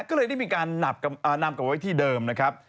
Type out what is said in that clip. ก็เลยได้มีการนำกลับไว้ที่เดิมนะครับ